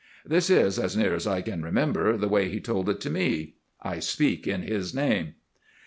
This is, as near as I can remember, the way he told it to me. I speak in his name.